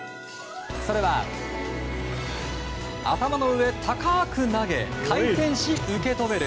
それは、頭の上高く投げ回転し受け止める